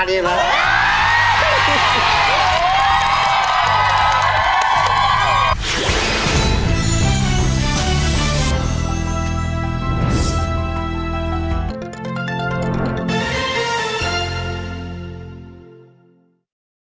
กุ้งเลยไม่รอ